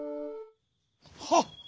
「はっ！